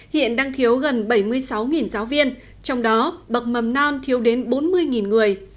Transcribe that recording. hiện đang thiếu gần bảy mươi sáu giáo viên trong đó bậc mầm non thiếu đến bốn mươi người